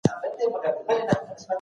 چي دهقان ته